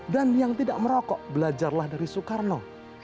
dan yang tidak merokok belajarlah dari soekarno